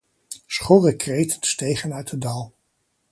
Schorre kreten stegen uit het dal.